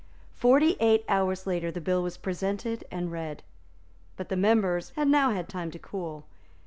Forty eight hours later the bill was presented and read. But the members had now had time to cool.